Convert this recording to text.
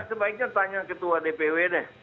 sebaiknya tanya ketua dpw deh